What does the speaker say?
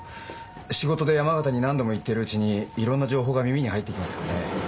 仕事で山形に何度も行ってるうちにいろんな情報が耳に入ってきますからね。